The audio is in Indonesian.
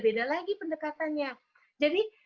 beda lagi pendekatannya jadi